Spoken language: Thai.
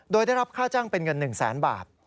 โดยได้รับค่าจ้างเป็นเงิน๑แสนบาท